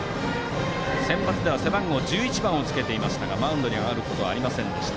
センバツでは背番号１１番をつけていましたがマウンドに上がることはありませんでした。